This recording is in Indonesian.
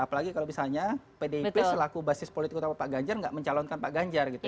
apalagi kalau misalnya pdip selaku basis politik utama pak ganjar nggak mencalonkan pak ganjar gitu